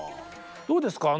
どうですか？